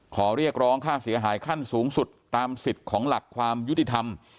ขอเรียกร้องค่าเสียหายขั้นสูงสุดตามสิทธิ์ของหลักความยุติธรรม